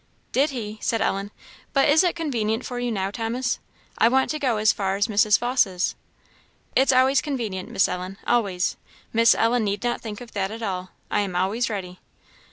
"Did he?" said Ellen; "but is it convenient for you now, Thomas? I want to go as far as Mrs. Vawse's." "It's always convenient, Miss Ellen always; Miss Ellen need not think of that at all, I am always ready."